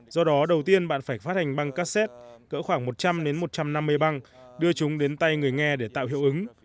do đó đầu tiên bạn phải phát hành băng cassette cỡ khoảng một trăm linh một trăm năm mươi băng đưa chúng đến tay người nghe để tạo hiệu ứng